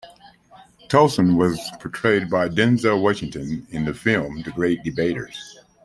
Tolson was portrayed by Denzel Washington in the film "The Great Debaters".